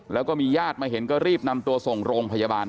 แล้วก็มีญาติมาเห็นก็รีบนำตัวส่งโรงพยาบาล